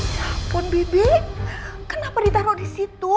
ya ampun bibi kenapa ditaruh di situ